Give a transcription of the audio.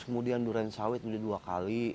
kemudian durain sawit sudah dua kali